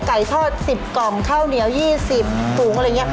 ไก่ทอด๑๐กล่องข้าวเหนียว๒๐ฝูงอะไรอย่างนี้